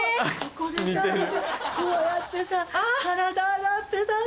こうやってさ体洗ってたんだよね。